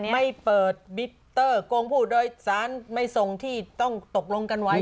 ไม่เปิดบิตเตอร์โกงผู้โดยสารไม่ส่งที่ต้องตกลงกันไว้